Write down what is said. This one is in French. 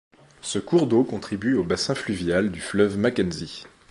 Ce cours d'eau contribue au bassin fluvial du fleuve Mackenzie.